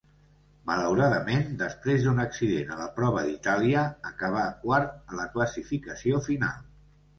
Malauradament, després d'un accident a la prova d'Itàlia acabà quart a la classificació final.